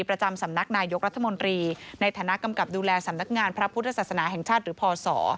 ประจำสำนักนายกรัฐมนตรีในฐานะกำกับดูแลสำนักงานพระพุทธศาสนาแห่งชาติหรือพศ